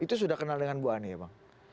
itu sudah kenal dengan bu ani ya bang